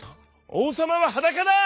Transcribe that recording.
「おうさまははだかだ！